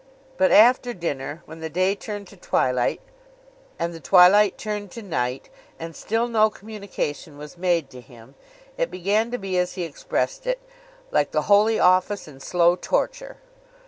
But, after dinner, when the day turned to twilight, and the twilight turned to night, and still no communication was made to him, it began to be as he expressed it, 'like the Holy Office and slow torture.